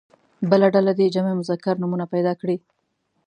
بله ډله دې جمع مذکر نومونه پیدا کړي.